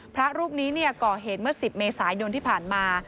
พระรูปนี้ก่อเหตุเมื่อ๑๐เมษายนที่ผ่านมา